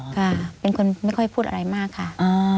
ค่ะเป็นคนไม่ค่อยพูดอะไรมากค่ะ